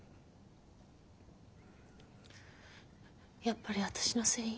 やっぱり私のせい？